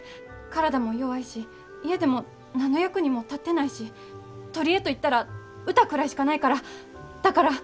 体も弱いし家でも何の役にも立ってないし取り柄と言ったら歌くらいしかないからだから。